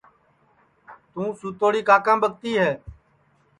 توں سُتوڑی کاکام ٻکتی ہے